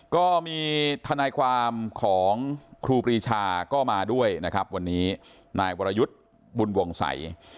ก็มีทนายความของครูปรีชาก็มาด้วยนะครับวันนี้นายวรยุทธ์บุญวงศัย